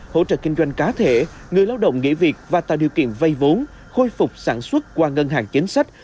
hỗ trợ kinh doanh cá thể người lao động nghỉ việc và tạo điều kiện vay vốn khôi phục sản xuất qua ngân hàng chính sách